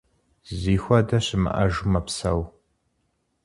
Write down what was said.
Зихуэдэ щымыӏэжу мэпсэу.